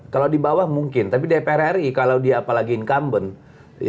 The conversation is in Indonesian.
kalau di bawah mungkin tapi dpr ri kalau dia apalagi incumbent